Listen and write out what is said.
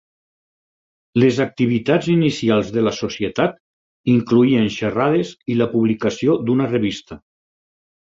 Les activitats inicials de la Societat incloïen xerrades i la publicació d'una revista.